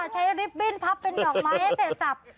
ริบบิ้นพับเป็นดอกไม้ให้เสร็จสับ